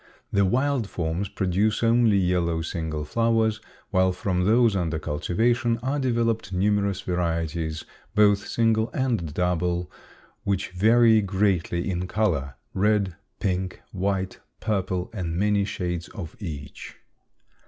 The wild forms produce only yellow single flowers while from those under cultivation are developed numerous varieties, both single and double, which vary greatly in color red, pink, white, purple, and many shades of each.